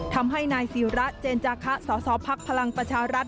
ทำให้นายศิระเจนจาคะสสพลังประชารัฐ